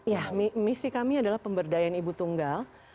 ya misi kami adalah pemberdayaan ibu tunggal